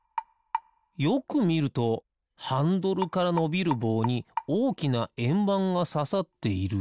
よくみるとハンドルからのびるぼうにおおきなえんばんがささっている。